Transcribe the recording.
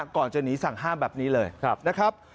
ก่อนจะหนีสั่งห้ามแบบนี้เลยนะครับ